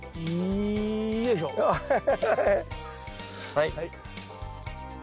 はい。